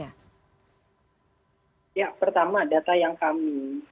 dan anda sempat mengatakan soal kebijakan yang kemudian diberikan oleh pt gsi